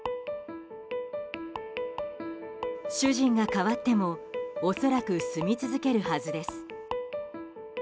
主人が変わっても恐らく、すみ続けるはずです。